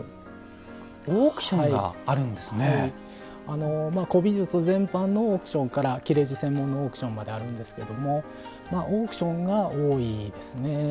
あの古美術全般のオークションから裂地専門のオークションまであるんですけどもオークションが多いですね。